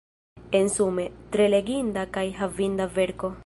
Ensume, tre leginda kaj havinda verko.